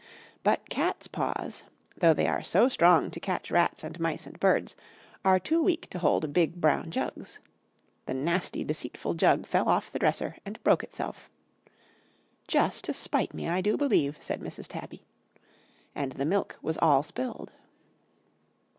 But cats' paws, though they are so strong to catch rats and mice and birds, are too weak to hold big brown jugs. The nasty deceitful jug fell off the dresser and broke itself. 'Just to spite me, I do believe,' said Mrs. Tabby. And the milk was all spilled.